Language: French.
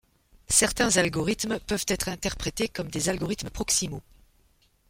Certains algorithmes peuvent être interprétés comme des algorithmes proximaux.